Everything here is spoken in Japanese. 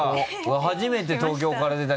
初めて東京から出た？